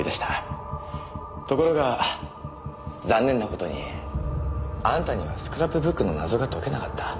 ところが残念な事にあんたにはスクラップブックの謎が解けなかった。